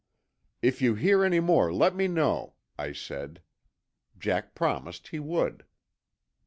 "If you hear any more, let me know," I said. Jack promised he would.